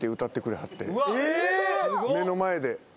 目の前で。